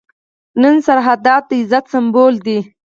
نن سرحدات د عزت سمبول دي.